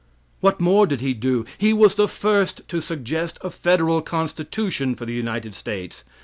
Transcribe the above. What more did he do? He was the first to suggest a federal constitution for the United States.